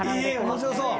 面白そう！